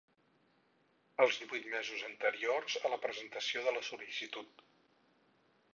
Els divuit mesos anteriors a la presentació de la sol·licitud.